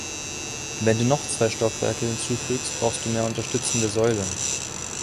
Wenn du noch zwei Stockwerke hinzufügst, brauchst du mehr unterstützende Säulen.